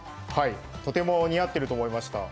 とても似合っていると思いました。